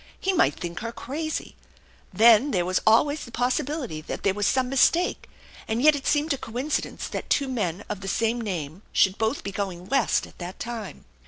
He might think her crazy. Then there ^as always the possibility that there wafl some mistake and yet it seemed a coincidence that two men of the same name should both be going West at that time.